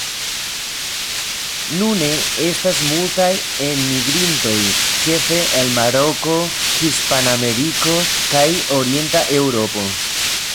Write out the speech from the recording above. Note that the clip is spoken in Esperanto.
Nune estas multaj enmigrintoj ĉefe el Maroko, Hispanameriko kaj Orienta Eŭropo.